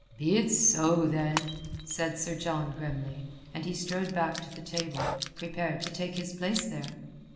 "Be it so, then," said Sir John grimly, and he strode back to the table, prepared to take his place there.